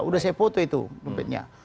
udah saya foto itu dompetnya